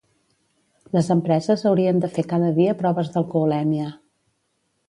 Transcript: Les empreses haurien de fer cada dia proves d'alcoholèmia.